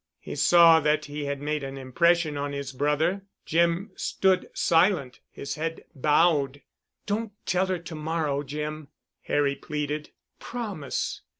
He saw that he had made an impression on his brother. Jim stood silent, his head bowed. "Don't tell her to morrow, Jim," Harry pleaded. "Promise."